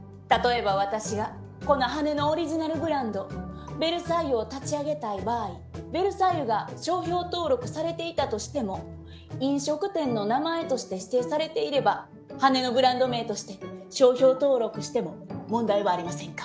例えば私がこの羽のオリジナルブランド「ベルサイユ」を立ち上げたい場合「ベルサイユ」が商標登録されていたとしても飲食店の名前として指定されていれば羽のブランド名として商標登録しても問題はありませんか？